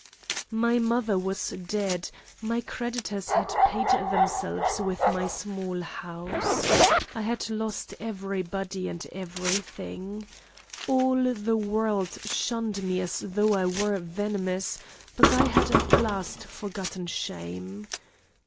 "My mother was dead, my creditors had paid themselves with my small house. I had lost every body and every thing. All the world shunned me as though I were venomous, but I had at last forgotten shame.